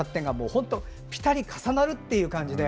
本当、ピタリ重なるという感じで。